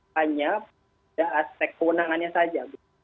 hanya pada aspek kewenangannya saja